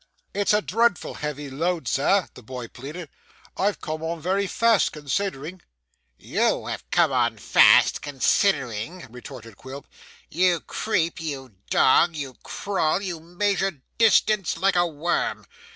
'It's a dreadful heavy load, Sir,' the boy pleaded. 'I've come on very fast, considering.' 'You have come fast, considering!' retorted Quilp; 'you creep, you dog, you crawl, you measure distance like a worm.